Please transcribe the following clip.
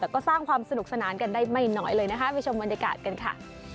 แต่ก็สร้างความสนุกสนานกันได้ไม่น้อยเลยนะคะไปชมบรรยากาศกันค่ะ